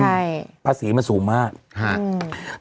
ใช่ภาษีมันสูงมากฮะอืม